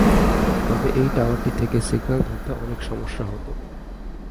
তবে এই টাওয়ারটি থেকে সিগন্যাল ধরতে অনেক সমস্যা হতো।